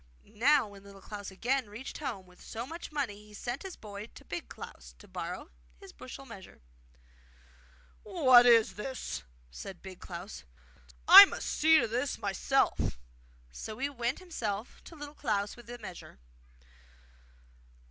Now when Little Klaus again reached home with so much money he sent his boy to Big Klaus to borrow his bushel measure. 'What's this?' said Big Klaus. 'Didn't I kill him? I must see to this myself!' So he went himself to Little Klaus with the measure.